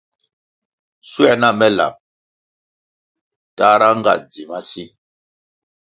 Schuer na me lab tahra nga dzi masi.